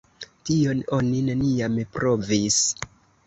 Tion oni neniam provis.